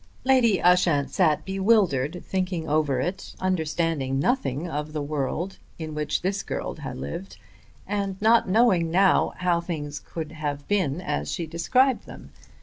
Lady Ushant sat bewildered, thinking over it, understanding nothing of the world in which this girl had lived, and not knowing now how things could have been as she described them.